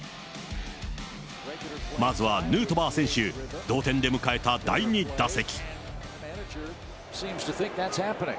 まずはヌートバー選手、同点で迎えた第２打席。